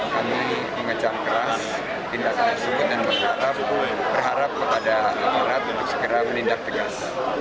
kami mengecam keras tindakan tersebut dan berharap kepada aparat untuk segera menindak tegas